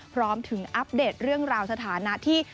พร้อมถึงอัปเดตเรื่องราวสถานะที่